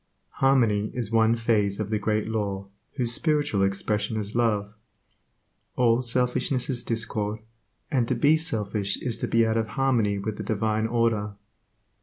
Harmony is one phase of the Great Law whose spiritual expression is love. All selfishness is discord, and to be selfish is to be out of harmony with the Divine order.